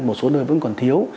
một số nơi vẫn còn thiếu